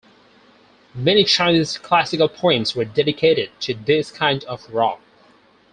Many Chinese classical poems were dedicated to this kind of rock.